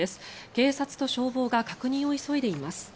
警察と消防が確認を急いでいます。